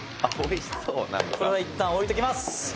「これはいったん置いときます」